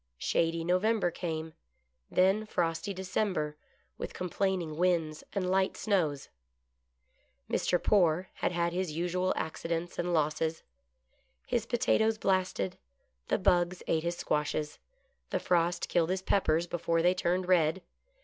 Shady November came ; then frosty December, with complaining winds and light snows. Mr. Poore had had his usual accidents and losses. His potatoes blasted, the bugs ate his squashes, the frost killed his peppers before they turned red.